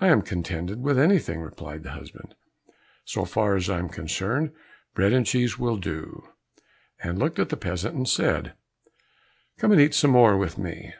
"I am contented with anything," replied the husband, "so far as I am concerned, bread and cheese will do," and looked at the peasant and said, "Come and eat some more with me."